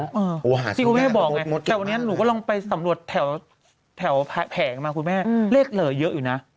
ที่คุณแม่บอกไงแต่วันนี้หนูก็ลองไปสำรวจแถวแผงมาคุณแม่เลขเหลือเยอะอยู่นะ